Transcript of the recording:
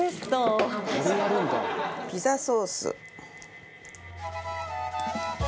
財前：ピザソース。